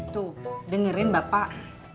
tuh dengerin bapak